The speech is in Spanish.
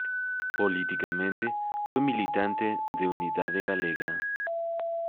Políticamente, fue militante de Unidade Galega.